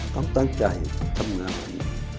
ต้องตั้งใจทำงาน